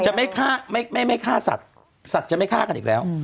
ไม่ฆ่าสัตว์สัตว์จะไม่ฆ่ากันอีกแล้ว